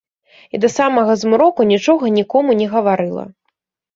І да самага змроку нічога нікому не гаварыла.